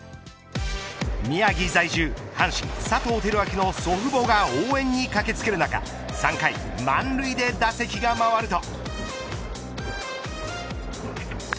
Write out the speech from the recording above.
宮城在住、阪神、佐藤輝明の祖父母が応援に駆け付ける中３回満塁で打席が回ると。